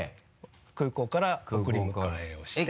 空港から送り迎えをして。